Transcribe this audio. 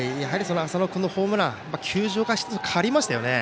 浅野君のホームラン球場の雰囲気が変わりましたよね。